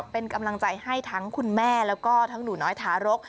เป็นกำลังใจให้ทั้งคุณแม่แล้วก็ทั้งหนูน้อยทารก